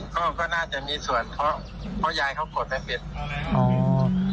ก็น่าจะมีส่วนเพราะยายเขากดไม่เป็น